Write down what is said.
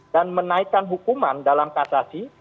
dan menaikkan hukuman dalam kasasi